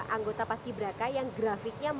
anggota pas ki braka yang grafiknya